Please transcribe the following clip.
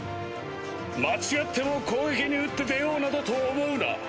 間違っても攻撃に打って出ようなどと思うな！